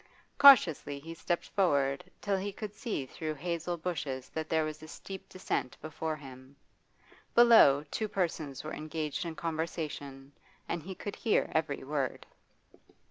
Cautiously he stepped forward, till he could see through hazel bushes that there was a steep descent before him. Below, two persons were engaged in conversation, and he could hear every word.